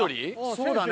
そうだね。